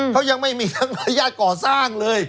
เขายังไม่มีทางอนุญาตก่อสร้างเลย